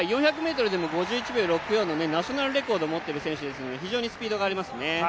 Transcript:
４００ｍでも５１秒６４のナショナルレコードを持っている選手ですので非常にスピードがあります。